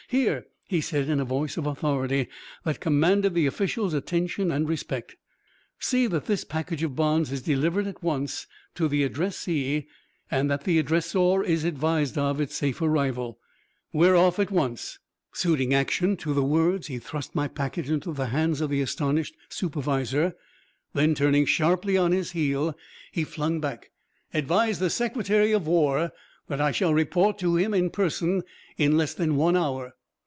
"Here," he said in a voice of authority that commanded the official's attention and respect, "see that this package of bonds is delivered at once to the addressee and that the addressor is advised of its safe arrival. We're off at once." Suiting action to the words, he thrust my packet into the hands of the astonished supervisor. Then, turning sharply on his heel, he flung back, "Advise the Secretary of War that I shall report to him in person in less than one hour."